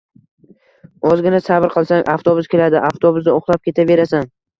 Ozgina sabr qilsang, avtobus keladi. Avtobusda uxlab ketaverasan.